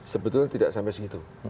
sebetulnya tidak sampai segitu